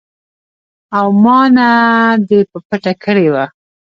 او ما نه دې پټه کړې وه.